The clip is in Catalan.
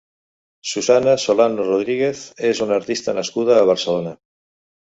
Susana Solano Rodríguez és una artista nascuda a Barcelona.